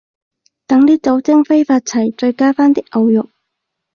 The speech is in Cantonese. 等啲酒精揮發齊，再加返啲牛肉